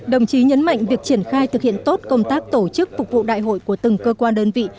đồng chí nhấn mạnh việc triển khai thực hiện tốt công tác tổ chức phục vụ đại hội của từng cơ quan đơn vị